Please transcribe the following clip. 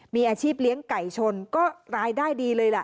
มีอาชีพเลี้ยงไก่ชนก็รายได้ดีเลยล่ะ